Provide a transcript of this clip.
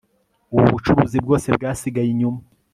ubu bucuruzi bwose bwasigaye inyuma